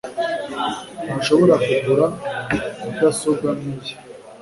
ntashobora kugura mudasobwa nkiyi